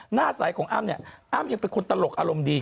หน้าใสของอ้ำเนี่ยอ้ำยังเป็นคนตลกอารมณ์ดี